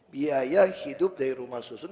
biaya hidup dari rumah susun